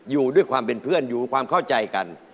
อยู่ด้วยความเป็นเพื่อนอยู่ความเข้าใจกัน